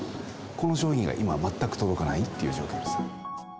この商品が今、全く届かないっていう状況です。